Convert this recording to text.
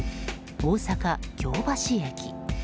大阪・京橋駅。